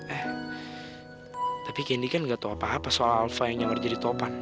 eh tapi gendy kan gak tau apa apa soal alva yang nyamar jadi topan